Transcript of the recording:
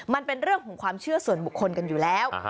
มันเป็นเรื่องของความเชื่อส่วนบุคคลกันอยู่แล้ว